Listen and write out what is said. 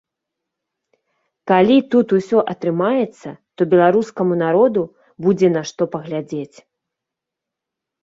Калі тут усё атрымаецца, то беларускаму народу будзе на што паглядзець.